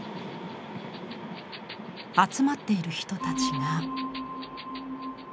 集まっている人たちが。